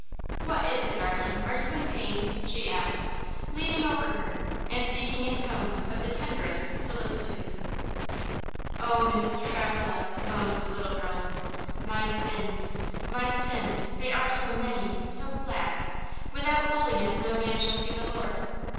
"What is it, darling are you in pain?" she asked, leaning over her, and speaking in tones of the tenderest solicitude. "Oh! Mrs. Travilla," moaned the little girl, "my sins my sins they are so many so black. 'Without holiness no man shall see the Lord.'